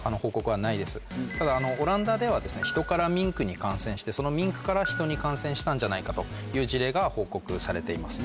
ただオランダでは人からミンクに感染してそのミンクから人に感染したんじゃないかという事例が報告されています。